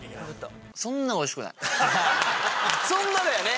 「そんな」だよね